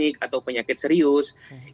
ini adalah hal yang kita harus kuncikan